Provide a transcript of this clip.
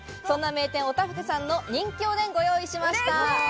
そんな名店、大多福さんの人気おでんをご用意しました。